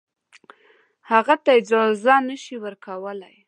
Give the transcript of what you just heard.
هغه ته اجازه نه شي ورکولای.